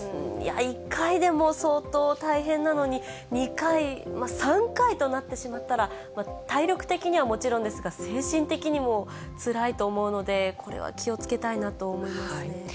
１回でも相当大変なのに、２回、３回となってしまったら、体力的にはもちろんですが、精神的にもつらいと思うので、これは気をつけたいなと思いますね。